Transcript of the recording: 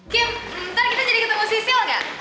kim ntar kita jadi ketemu sisil gak